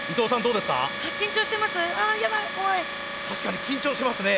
確かに緊張しますね。